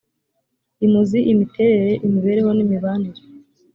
imuzi imiterere imibereho n imibanire